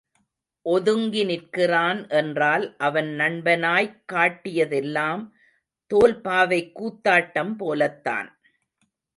ஒதுங்கி நிற்கிறான் என்றால் அவன் நண்பனாய்க் காட்டியதெல்லாம் தோல்பாவைக் கூத்தாட்டம் போலத்தான்!